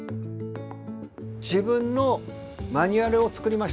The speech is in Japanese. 自分のマニュアルを作りました。